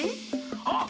あっ！